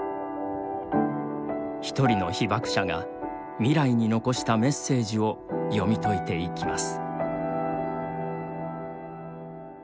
一人の被爆者が、未来に遺したメッセージを読み解いていきます。